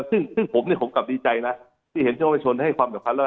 ซึ่งผมกลับดีใจนะที่เห็นพี่น้องบริษัทชนให้ความแบบพันธ์แล้ว